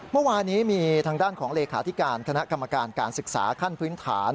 เมื่อวานี้มีทางด้านของเลขาธิการคณะกรรมการการศึกษาขั้นพื้นฐาน